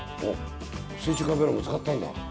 水中カメラも使ったんだ。